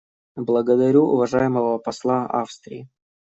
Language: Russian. Благодарю уважаемого посла Австрии.